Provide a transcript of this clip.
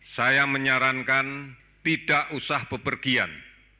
saya menyarankan tidak usah bepergian